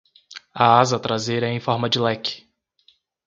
A asa traseira é em forma de leque.